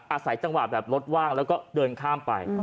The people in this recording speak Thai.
อาศัยจังหวะแบบรถว่างแล้วก็เดินข้ามไป